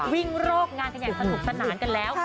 วิ่งโรกงานกันอย่างสนุกสนานกันแล้ว